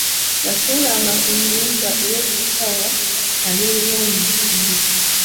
Yasulanga ku nnyumba eyoobusitoowa eyali eriraanye effumbiro.